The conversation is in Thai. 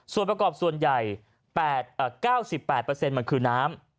ส่วนประกอบส่วนใหญ่๙๘มันคือน้ำ